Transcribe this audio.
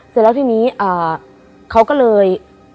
เสร็จแล้วทีนี้เขาก็เลย